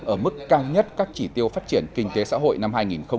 ở mức cao nhất các chỉ tiêu phát triển kinh tế xã hội năm hai nghìn hai mươi